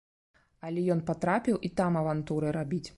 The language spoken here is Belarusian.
Але ён патрапіў і там авантуры рабіць.